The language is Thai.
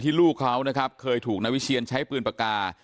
ลูกเขานะครับเคยถูกนายวิเชียนใช้ปืนปากกา